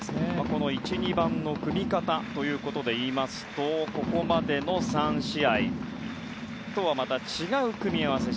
この１、２番の組み方でいいますとここまでの３試合とはまた違う組み合わせ。